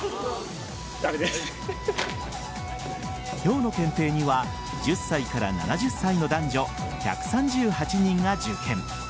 今日の検定には１０歳から７０歳の男女１３８人が受検。